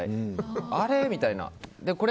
あれ？みたいな。